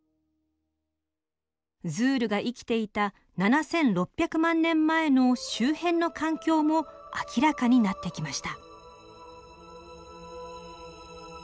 ズールが生きていた７，６００万年前の周辺の環境も明らかになってきました。